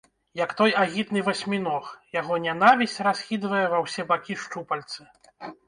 Як той агідны васьміног, яго нянавісць раскідвае ва ўсе бакі шчупальцы.